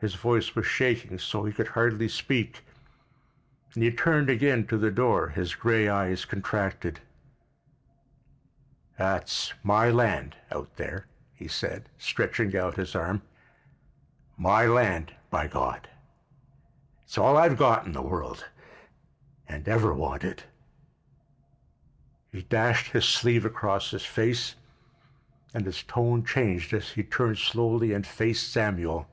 His voice was shaking so he could hardly speak and he turned again to the door, his gray eyes contracted. "That's my land out there," he said, stretching out his arm, "my land, by God— It's all I got in the world—and ever wanted." He dashed his sleeve across his face, and his tone changed as he turned slowly and faced Samuel.